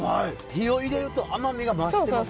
火を入れると甘みが増してます。